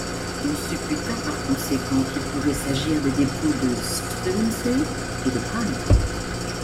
On supputa par conséquent qu'il pouvait s'agir des dépouilles de Struensee et de Brandt.